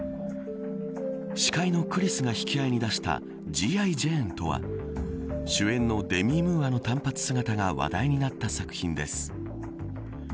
司会のクリスが引き合いに出したＧ．Ｉ．ジェーンとは主演のデミ・ムーアさんの短髪姿が話題になった作品です。